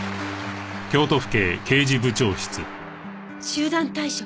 集団退職？